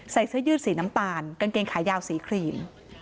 เสื้อยืดสีน้ำตาลกางเกงขายาวสีครีม